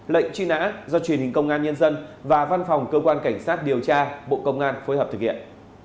lệnh truy nã do truyền hình công an nhân dân và văn phòng cơ quan cảnh sát điều tra bộ công an phối hợp thực hiện